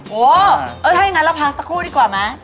เออถ้าอย่างนั้นเราพักสักครู่ดีกว่าไหม